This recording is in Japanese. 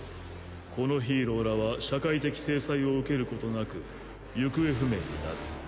このヒーローらは社会的制裁を受けることなく行方不明になる。